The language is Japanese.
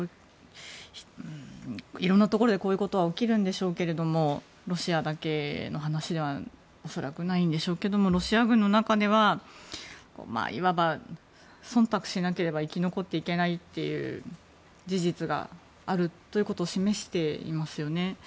いろんなところでこういうことは起きるんでしょうけど恐らくロシアだけの話ではないんでしょうけどロシア軍の中ではいわば忖度しなければ生き残っていけないという事実があるということを示していますよね。